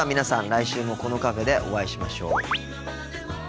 来週もこのカフェでお会いしましょう。